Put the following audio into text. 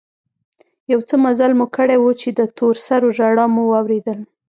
يو څه مزل مو کړى و چې د تور سرو ژړا مو واورېدل.